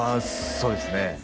そうですね